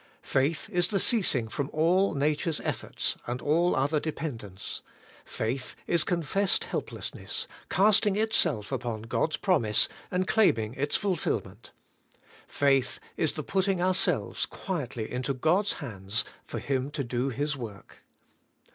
Faith is the ceasing from all nature's efforts, and all other dependence; faith is confessed helplessness cast ing itself upon God's promise, and claiming its ful filment; faith is the putting ourselves quietly into God's hands for Him to do His work.